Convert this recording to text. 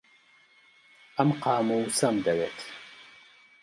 ئەم قامووسەم دەوێت.